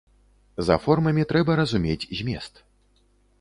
За формамі трэба разумець змест.